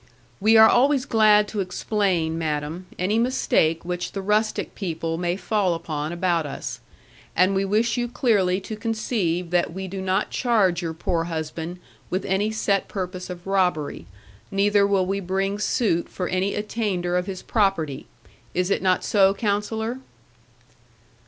'We are always glad to explain, madam, any mistake which the rustic people may fall upon about us; and we wish you clearly to conceive that we do not charge your poor husband with any set purpose of robbery, neither will we bring suit for any attainder of his property. Is it not so, Counsellor?'